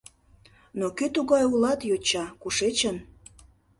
Но кӧ тугай улат, йоча, кушечын?..